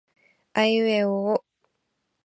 あいうえおおお